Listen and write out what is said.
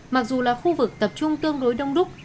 mặc dù là khu vực tập trung tương đối đông đúc